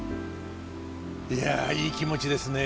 いやいい気持ちですね。